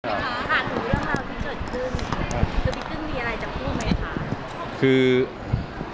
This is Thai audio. ค่ะถ้าถึงเรื่องราวที่เกิดขึ้นความสัมพันธ์มีอะไรจะพูดไหมคะ